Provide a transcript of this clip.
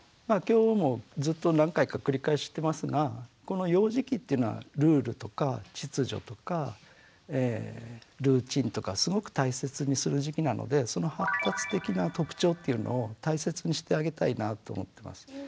今日もずっと何回か繰り返してますがこの幼児期っていうのはルールとか秩序とかルーチンとかすごく大切にする時期なのでその発達的な特徴っていうのを大切にしてあげたいなと思ってます。